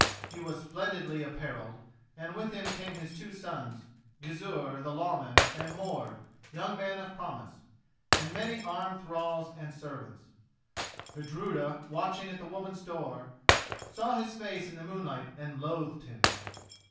He was splendidly apparelled, and with him came his two sons, Gizur the Lawman and Mord, young men of promise, and many armed thralls and servants. Gudruda, watching at the women's door, saw his face in the moonlight and loathed him.